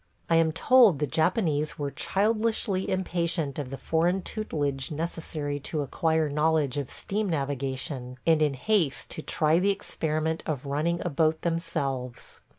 I am told the Japanese were childishly impatient of the foreign tutelage necessary to acquire knowledge of steam navigation, and in haste to try the experiment of running a boat themselves.